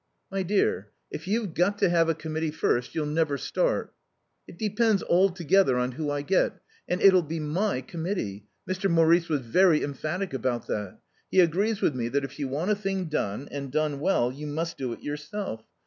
"My dear, if you've got to have a Committee first you'll never start." "It depends altogether on who I get. And it'll be my Committee. Sir Maurice was very emphatic about that. He agrees with me that if you want a thing done, and done well, you must do it yourself.